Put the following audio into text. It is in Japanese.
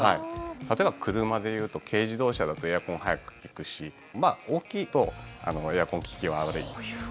例えば車で言うと軽自動車だとエアコン、早く利くし大きいとエアコン、利きが悪い。